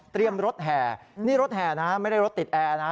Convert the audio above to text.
รถแห่นี่รถแห่นะไม่ได้รถติดแอร์นะ